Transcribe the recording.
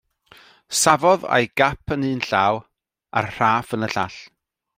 Safodd a'i gap yn un llaw a'r rhaff yn y llall.